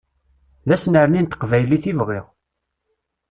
D asnerni n teqbaylit i bɣiɣ.